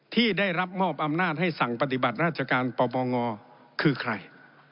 ที่ได้รับมอบอำนาจให้สั่งปฏิบัติราชการปปงคือใคร